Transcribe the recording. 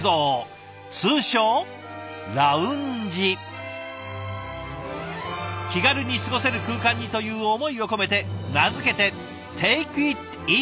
通称気軽に過ごせる空間にという思いを込めて名付けて「ＴａｋｅｉｔＥａｓｙ！」。